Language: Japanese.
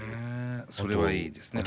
それはいいですね。